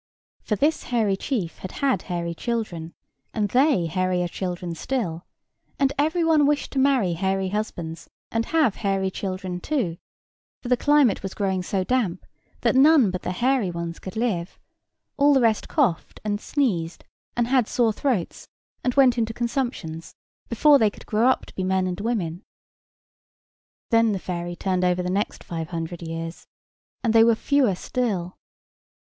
For this hairy chief had had hairy children, and they hairier children still; and every one wished to marry hairy husbands, and have hairy children too; for the climate was growing so damp that none but the hairy ones could live: all the rest coughed and sneezed, and had sore throats, and went into consumptions, before they could grow up to be men and women. Then the fairy turned over the next five hundred years. And they were fewer still.